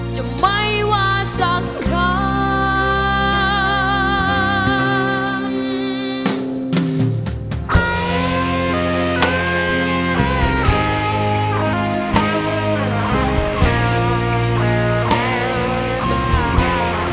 จะไม่ว่าสักคำ